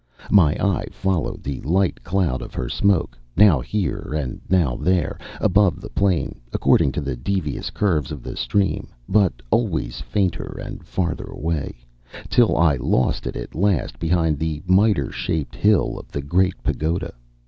My eye followed the light cloud of her smoke, now here, now there, above the plain, according to the devious curves of the stream, but always fainter and farther away, till I lost it at last behind the miter shaped hill of the great pagoda.